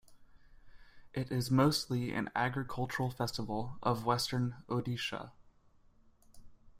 It is mostly an agricultural festival of Western Odisha.